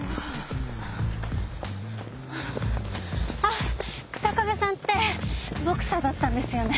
あっ日下部さんってボクサーだったんですよね？